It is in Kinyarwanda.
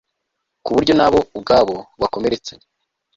ku buryo na bo ubwabo bakomeretsanyaga